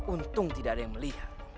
untung tidak ada yang melihat